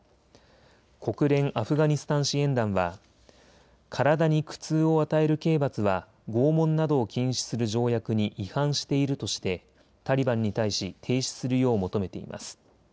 国連アフガニスタン支援団は、体に苦痛を与える刑罰は拷問などを禁止する条約に違反しているとしてタリバンに対し停止するよう求めています。